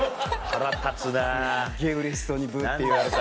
うれしそうにブって言われた。